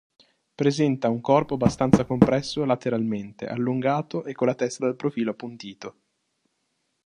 Presenta un corpo abbastanza compresso lateralmente, allungato, e con la testa dal profilo appuntito.